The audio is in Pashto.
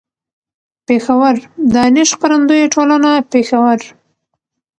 پېښور: دانش خپرندويه ټولنه، پېښور